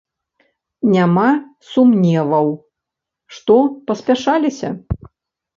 Няма сумневаў, што паспяшаліся?